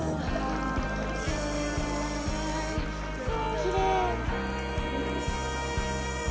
きれい。